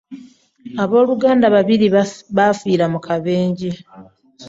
Aboluganda babiri baafiira mu kabenje.